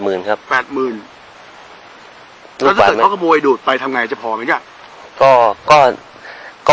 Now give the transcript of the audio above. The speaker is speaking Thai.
เมื่อเกิดเหรอกลับมาไม้ดูดไปจะพอนะล่ะ